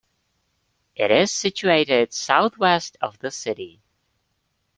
It is situated south-west of the city.